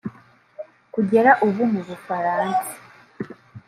Kugera ubu mu Bufaransa